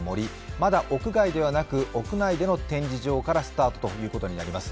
まだ屋外ではなく屋内での展示場からスタートになります。